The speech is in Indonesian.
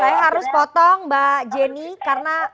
saya harus potong mbak jenny karena